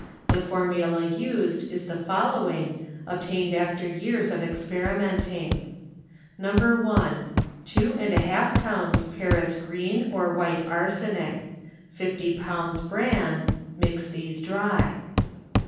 The formula used is the following, ob tained after years of experimenting; No. 1. Two and a half pounds Paris green or white arsenic; fifty pounds bran (mix these dry).